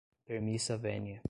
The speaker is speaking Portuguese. permissa venia